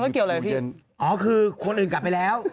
แป๊บก็คือคนอื่นกลับไปแล้ว